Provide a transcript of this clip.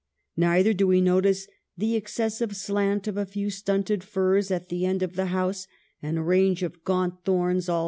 Neither do we notice " the excessive slant of a few stunted firs at the end of the house and a range of gaunt thorns all is 226 EMIL V 'BRONTE.